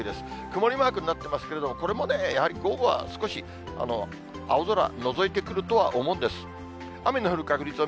曇りマークになってますけれども、これもね、やはり午後は少し、青空のぞいてくるとは思うんです。